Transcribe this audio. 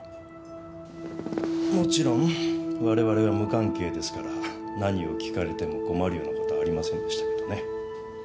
もちろん我々は無関係ですから何を訊かれても困るような事はありませんでしたけどね。